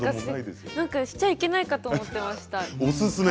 しちゃいけないかと思ってました。